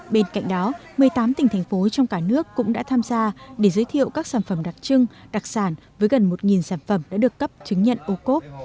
bên cạnh đó một mươi tám tỉnh thành phố trong cả nước cũng đã tham gia để giới thiệu các sản phẩm đặc trưng đặc sản với gần một sản phẩm đã được cấp chứng nhận ô cốp